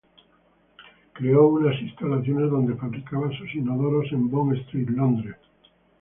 Creó unas instalaciones donde fabricaba sus inodoros en Bond Street, Londres.